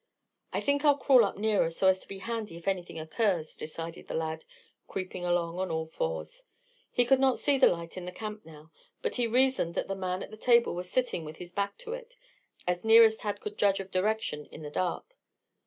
"I think I'll crawl up nearer, so as to be handy if anything occurs," decided the lad, creeping along on all fours. He could not see the light in the camp now, but he reasoned that the man at the table was sitting with his back to it, as near as Tad could judge of direction in the dark.